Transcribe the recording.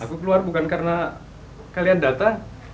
aku keluar bukan karena kalian datang